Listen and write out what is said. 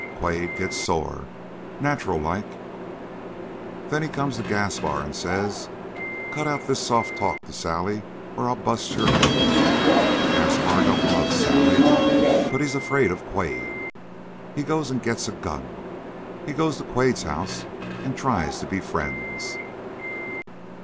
Quade gets sore, nacherallike. Then he comes to Gaspar and says: 'Cut out this soft talk to Sally, or I'll bust your head.' Gaspar don't love Sally, but he's afraid of Quade. He goes and gets a gun. He goes to Quade's house and tries to be friends.